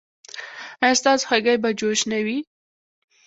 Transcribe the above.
ایا ستاسو هګۍ به جوش نه وي؟